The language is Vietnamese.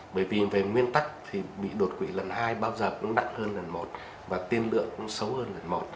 bởi vì về nguyên tắc thì bị đột quỷ lần hai bao giờ cũng nặng hơn lần một và tiên lượng nó xấu hơn lần một